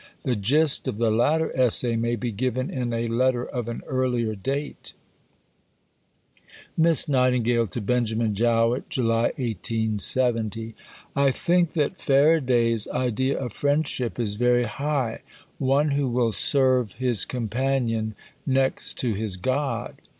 The gist of the latter essay may be given in a letter of an earlier date: (Miss Nightingale to Benjamin Jowett.) July .... I think that Faraday's idea of friendship is very high: "One who will serve his companion next to his God."